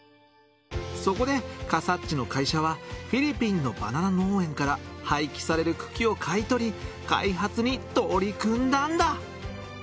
そこで、かさっちの会社はフィリピンのバナナ農園から廃棄される茎を買い取り開発に取り組んだんだ。